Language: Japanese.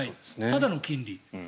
ただの金利。